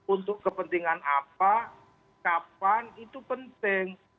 untuk kepentingan apa kapan itu penting